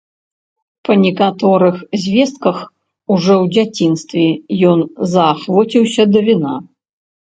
Па некаторых звестках, ужо ў дзяцінстве ён заахвоціўся да віна.